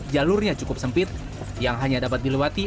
jalurnya cukup sempit yang hanya dapat dilewati